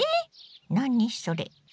何それ？